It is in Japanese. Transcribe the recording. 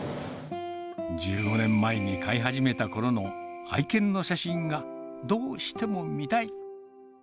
１５年前に飼い始めたころの愛犬の写真がどうしても見たい。